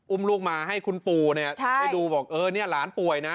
อุ้มลูกมาให้คุณปู่ให้ดูบอกนี่หลานป่วยนะ